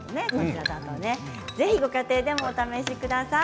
ご家庭でもお試しください。